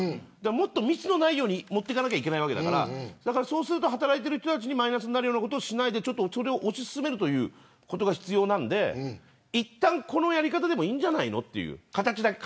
もっとミスのないように持っていかなきゃいけないわけだからそうすると働いている人たちにマイナスになるようなことをしないで推し進めるということが必要なんでいったんこのやり方でもいいんじゃないのと。